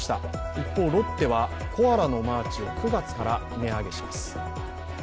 一方、ロッテはコアラのマーチを９月から値上げします。